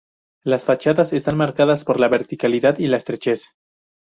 Las fachadas están marcadas por la verticalidad y la estrechez.